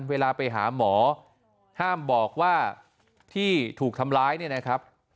เวลาไปหาหมอห้ามบอกว่าที่ถูกทำร้ายเนี่ยนะครับ